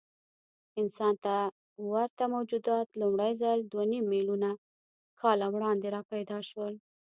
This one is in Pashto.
انسان ته ورته موجودات لومړی ځل دوهنیممیلیونه کاله وړاندې راپیدا شول.